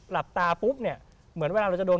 หลับตาปุ๊บเนี่ยเหมือนเวลาเราจะโดน